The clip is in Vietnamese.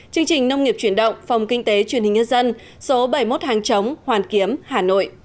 chương trình nông nghiệp chuyển động phòng kinh tế truyền hình nhân dân số bảy mươi một hàng chống hoàn kiếm hà nội